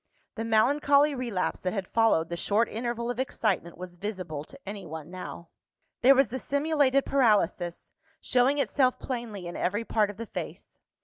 The melancholy relapse that had followed the short interval of excitement was visible to anyone now. There was the "simulated paralysis," showing itself plainly in every part of the face.